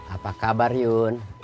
apa kabar yun